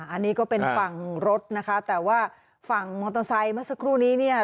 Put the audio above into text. อันนี้ก็เป็นฝั่งรถนะคะแต่ว่าฝั่งมอเตอร์ไซค์เมื่อสักครู่นี้เนี่ย